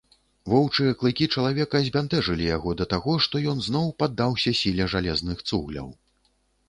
Воўчыя клыкі чалавека збянтэжылі яго да таго, што ён зноў паддаўся сіле жалезных цугляў.